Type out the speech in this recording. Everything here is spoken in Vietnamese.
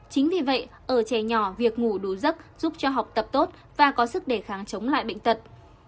chính vì vậy ở trẻ nhỏ việc ngủ đuối giấc giúp cho học tập tốt và có sức đề kháng chống lại bệnh tật